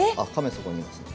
そこにいますね。